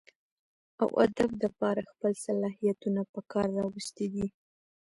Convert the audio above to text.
اوادب دپاره خپل صلاحيتونه پکار راوستي دي